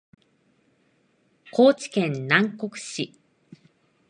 高知県南国市